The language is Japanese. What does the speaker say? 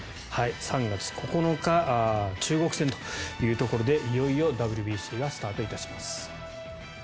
３月９日、中国戦というところでいよいよＷＢＣがスタートいたします。